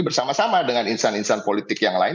bersama sama dengan insan insan politik yang lain